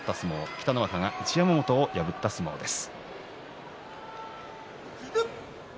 北の若が一山本を破った一番です。